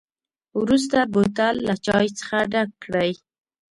وروسته بوتل له چای څخه ډک کړئ.